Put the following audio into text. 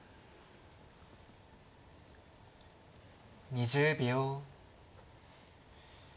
２０秒。